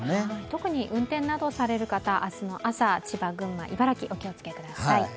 特に運転などされる方、明日の朝千葉、群馬、茨城、お気をつけください。